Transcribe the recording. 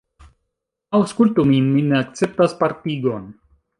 Aŭskultu min; mi ne akceptas partigon.